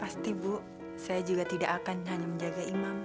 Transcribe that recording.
pasti bu saya juga tidak akan hanya menjaga imam